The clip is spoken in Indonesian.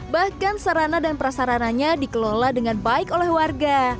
bahkan sarana dan prasarananya dikelola dengan baik oleh warga